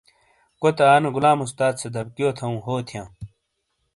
کوتے آ نے غلام استاد سے دبیکیو تھووں ہو تھیاں۔